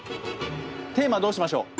テーマどうしましょう？